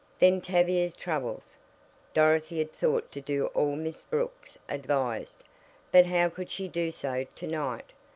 Then Tavia's troubles. Dorothy had thought to do all Miss Brooks advised, but how could she do so to night?